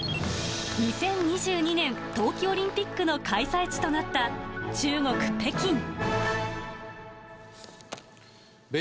２０２２年、冬季オリンピックの開催地となった、中国・北京。